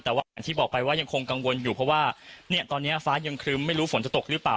แต่ว่าอย่างที่บอกไปว่ายังคงกังวลอยู่เพราะว่าเนี่ยตอนนี้ฟ้ายังครึ้มไม่รู้ฝนจะตกหรือเปล่า